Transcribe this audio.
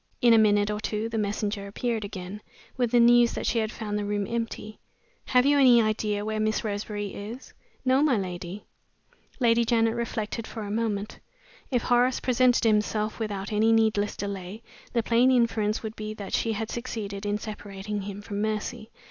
In a minute or two the messenger appeared again, with the news that she had found the room empty. "Have you any idea where Miss Roseberry is?" "No, my lady." Lady Janet reflected for a moment. If Horace presented himself without any needless delay, the plain inference would he that she had succeeded in separating him from Mercy.